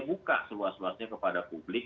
buka seluas luasnya kepada publik